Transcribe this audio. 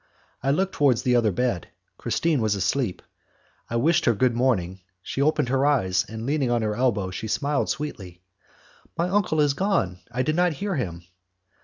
I looked towards the other bed, Christine was asleep. I wished her good morning, she opened her eyes, and leaning on her elbow, she smiled sweetly. "My uncle has gone. I did not hear him."